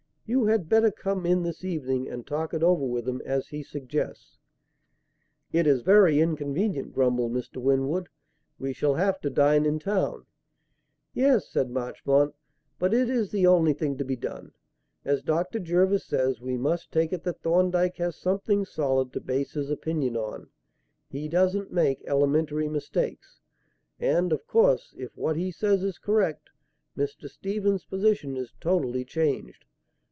You had better come in this evening and talk it over with him as he suggests." "It is very inconvenient," grumbled Mr. Winwood. "We shall have to dine in town." "Yes," said Marchmont, "but it is the only thing to be done. As Dr. Jervis says, we must take it that Thorndyke has something solid to base his opinion on. He doesn't make elementary mistakes. And, of course, if what he says is correct, Mr. Stephen's position is totally changed."